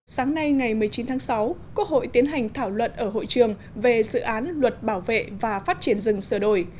sáng nay ngày một mươi chín tháng sáu quốc hội tiến hành thảo luận ở hội trường về dự án luật bảo vệ và phát triển rừng sửa đổi